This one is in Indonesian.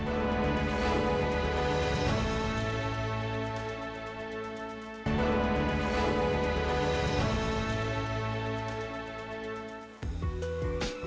tidak ada banyak